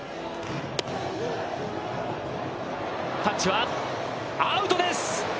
タッチはアウトです！